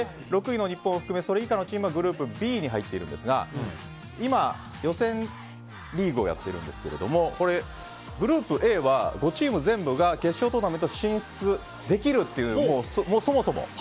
６位の日本を含めそれ以下のチームはグループＢに入っているんですが今、予選リーグをやっているんですけどもグループＡは５チーム全部が決勝トーナメント進出ができるという、そもそも。